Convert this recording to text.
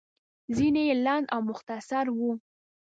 ځينې يې لنډ او مختصر وو.